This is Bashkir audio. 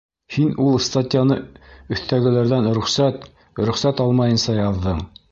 Һин ул статьяны өҫтәгеләрҙән рөхсәт... рөхсәт алмайынса яҙҙың!